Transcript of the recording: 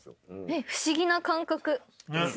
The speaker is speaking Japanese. えっ不思議な感覚。